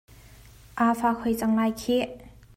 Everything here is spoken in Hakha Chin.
Aa fak hoi cang lai khih !